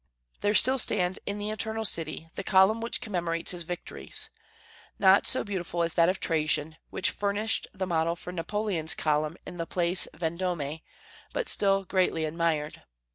There still stands in "the Eternal City" the column which commemorates his victories, not so beautiful as that of Trajan, which furnished the model for Napoleon's column in the Place Vendôme, but still greatly admired.